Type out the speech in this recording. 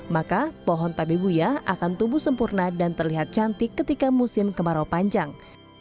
maka pohon tabebuya akan tumbuh sempurna dan terlihat cantik ketika musim kemarau panjang